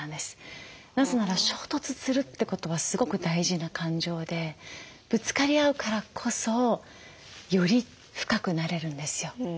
なぜなら衝突するってことはすごく大事な感情でぶつかり合うからこそより深くなれるんですよ。